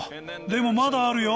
でもまだあるよ。